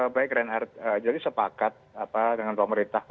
baik reinhardt jadi sepakat dengan pemerintah